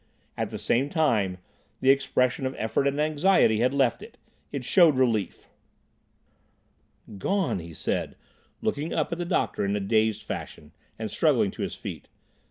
At the same time, the expression of effort and anxiety had left it. It showed relief. "Gone!" he said, looking up at the doctor in a dazed fashion, and struggling to his feet.